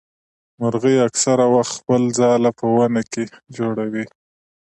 مرغۍ اکثره وخت خپل ځاله په ونه کي جوړوي.